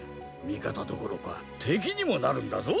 みかたどころかてきにもなるんだぞ！